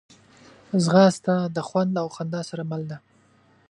ځغاسته د خوند او خندا سره مل ده